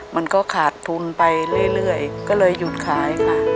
มันก็ขาดทุนไปเรื่อยก็เลยหยุดขายค่ะ